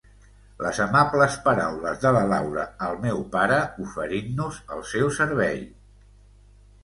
Les amables paraules de la Laura al meu pare oferint-nos el seu servei!